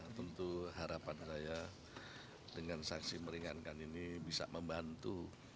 tentu harapan saya dengan saksi meringankan ini bisa membantu